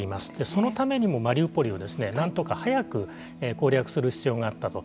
そのためにもマリウポリをなんとか早く攻略する必要があると。